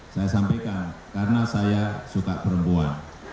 saya sampaikan karena saya suka perempuan